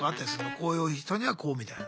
こういう人にはこうみたいな。